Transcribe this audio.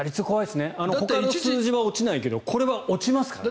ほかの数字は落ちないけどこれは落ちますからね。